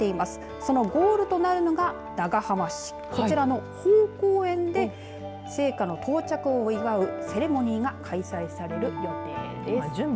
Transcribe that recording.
そのゴールとなるのが長浜市こちらの豊公園で聖火の到着を祝うセレモニーが開催される予定です。